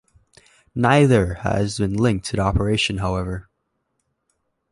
Neither has been linked to the operation, however.